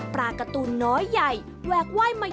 ปลากระตูนน้อยใหญ่แวกไหว้มายอกล้อ